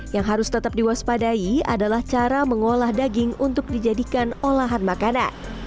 yang harus tetap diwaspadai adalah cara mengolah daging untuk dijadikan olahan makanan